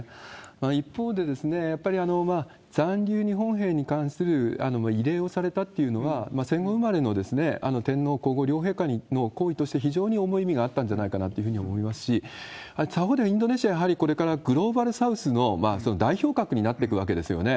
一方で、やっぱり残留日本兵に関する慰霊をされたっていうのは、戦後生まれの天皇皇后両陛下の行為として非常に重い意味があったんじゃないかなと思いますし、他方で、インドネシア、やはりこれからグローバルサウスの代表格になっていくわけですよね。